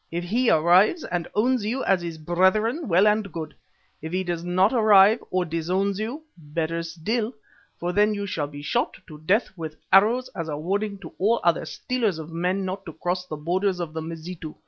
If he arrives and owns you as his brethren, well and good; if he does not arrive, or disowns you better still, for then you shall be shot to death with arrows as a warning to all other stealers of men not to cross the borders of the Mazitu."